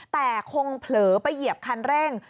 แต่คงเผลอไปเหยียบคันเร่ง